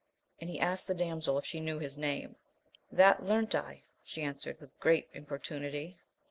And he asked the damsel if she knew his name. That learnt I, she answered, with great importunity.